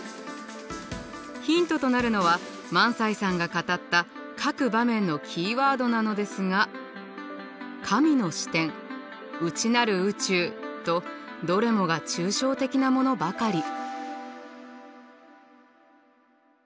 ヒントとなるのは萬斎さんが語った各場面のキーワードなのですが「神の視点」「内なる宇宙」とどれもが抽象的なものばかり。